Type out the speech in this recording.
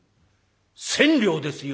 「千両ですよ！」。